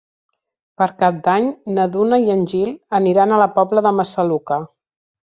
Per Cap d'Any na Duna i en Gil aniran a la Pobla de Massaluca.